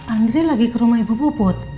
andri lagi ke rumah ibu puput